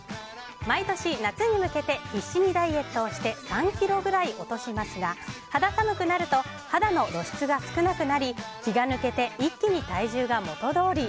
毎年、夏に向けて必死にダイエットをして３ｋｇくらい落としますが肌寒くなると肌の露出が少なくなり気が抜けて、一気に体重が元通り。